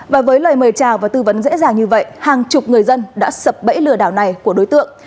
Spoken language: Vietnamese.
và với lời mời chào và tư vấn dễ dàng như vậy hàng chục người dân đã sập bẫy lừa đảo này của đối tượng